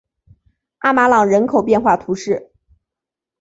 阿马朗人口变化图示